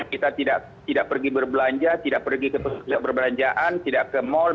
kita tidak pergi berbelanja tidak pergi ke pusat perbelanjaan tidak ke mal